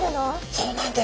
そうなんです。